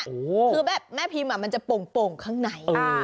คือแบบแม่พิมพ์มันจะโป่งข้างใน